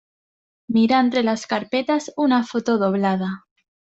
mira entre las carpetas una foto doblada.